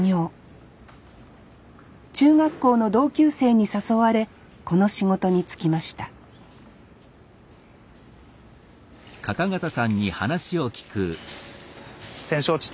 中学校の同級生に誘われこの仕事に就きました展勝地